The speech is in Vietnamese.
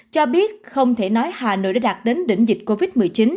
cho biết không thể nói hà nội đã đạt đến đỉnh dịch covid một mươi chín